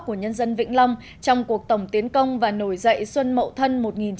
của nhân dân vĩnh long trong cuộc tổng tiến công và nổi dậy xuân mậu thân một nghìn chín trăm bảy mươi